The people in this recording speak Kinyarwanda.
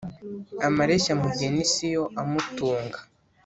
Amareshya mugeni siyo amutunga.